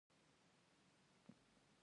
د شاه دوشمشیره جومات په کابل کې دی